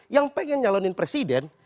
yang pengen nyalonin presiden